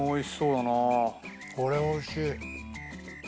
これおいしい！